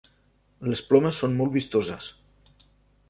Les plomes són molt vistoses.